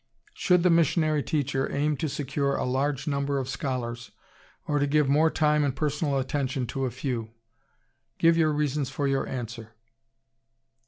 Should the missionary teacher aim to secure a large number of scholars, or to give more time and personal attention to a few? Give your reasons for your answer.